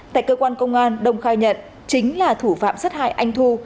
tại cơ quan công an đông khai nhận chính là thủ phạm sát hại anh thu